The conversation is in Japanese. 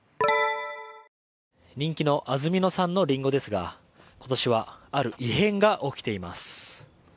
人気の安曇野産のリンゴですが今年はある異変が起きています。